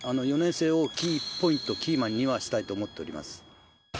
４年生をキーポイント、キーマンにはしたいと思っております。